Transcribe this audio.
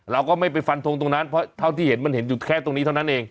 เราก็ไม่ไปฟันทงตรงนั้นเพราะเท่าที่เห็นมันเห็นอยู่แค่ตรงนี้เท่านั้นเอง